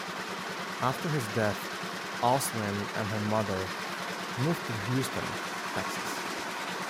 After his death, Oslin and her mother moved to Houston, Texas.